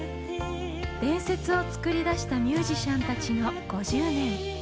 伝説を作り出したミュージシャンたちの５０年。